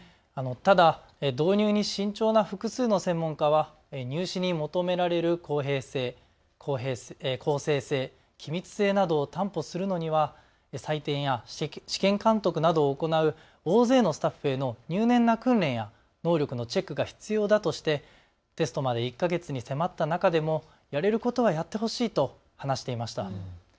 ただ導入に慎重な複数の専門家は入試に求められる公正性・公平性・機密性などを担保するのには採点や試験監督などを行う大勢のスタッフの入念な訓練や能力のチェックが必要だとしてテストまで１か月に迫った中でも、やれることはやってほしいと話していました。